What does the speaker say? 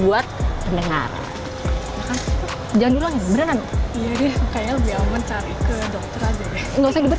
buat pendengaran jangan dulu lagi beneran kayaknya biar mencari ke dokter aja ya nggak usah diberi